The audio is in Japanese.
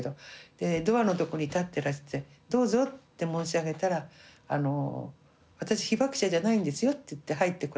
でドアのとこに立ってらして「どうぞ」って申し上げたら「私被爆者じゃないんですよ」って言って入ってこられたんですけどね。